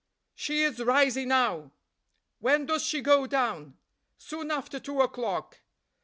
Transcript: "She is rising now." "When does she go down?" "Soon after two o'clock."